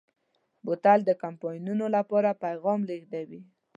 بوتل د کمپاینونو لپاره پیغام لېږدوي.